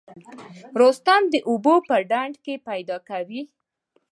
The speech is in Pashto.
رستم د اوبو په ډنډ کې پیدا کوي.